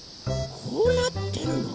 こうなってるの？